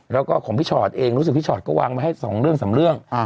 แล้วก็ของพี่ชอตเองรู้สึกพี่ชอตก็วางไว้ให้๒เรื่อง๓เรื่อง